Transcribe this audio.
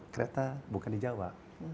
kereta bukan di jawa